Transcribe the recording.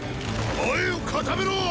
前を固めろォ！！